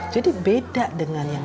jadi beda dengan yang